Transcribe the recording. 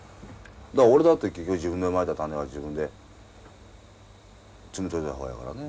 だから俺だって結局自分でまいた種は自分で摘み取りたいからね。